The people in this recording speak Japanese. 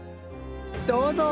どうぞ！